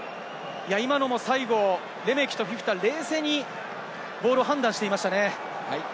今のは最後、レメキとフィフィタが冷静にボールを判断していましたね。